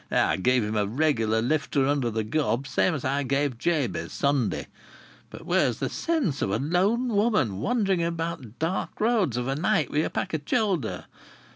"I give him a regular lifter under the gob, same as I give Jabez, Sunday. But where's the sense of a lone woman wandering about dark roads of a night wi' a pack of childer?...